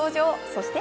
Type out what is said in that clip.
そして